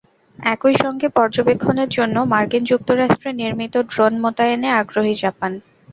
একই সঙ্গে পর্যবেক্ষণের জন্য মার্কিন যুক্তরাষ্ট্রে নির্মিত ড্রোন মোতায়েনে আগ্রহী জাপান।